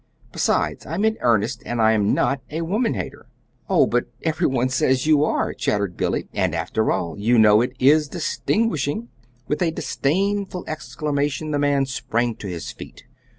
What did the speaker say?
Besides, I'm in earnest, and I'm not a woman hater." "Oh, but every one says you are," chattered Billy. "And, after all, you know it IS distinguishing!" With a disdainful exclamation the man sprang to his feet.